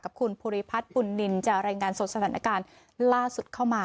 กับคุณภูริพัฒน์บุญนินจะรายงานสดสถานการณ์ล่าสุดเข้ามา